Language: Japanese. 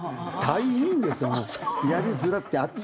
大変ですよ。